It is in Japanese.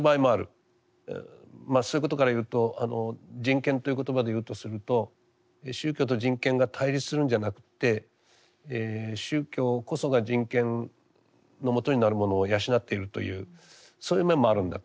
まあそういうことから言うと人権という言葉で言うとすると宗教と人権が対立するんじゃなくって宗教こそが人権のもとになるものを養っているというそういう面もあるんだと。